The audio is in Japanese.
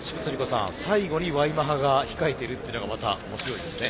さん最後にＹマハが控えてるっていうのがまた面白いですね。